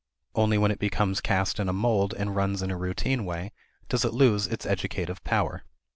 Only when it becomes cast in a mold and runs in a routine way does it lose its educative power.